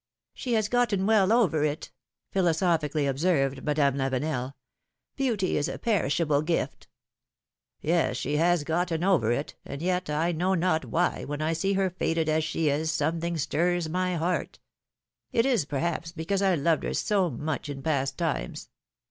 She has gotten well over it," philosophically observed Madame Lavenel. Beauty is a perishable gift." ^^Yes, she has gotten over it; and yet, I know not why, when I see her faded as she is, something stirs my heart ;' it is, perhaps, because I loved her so much in past times.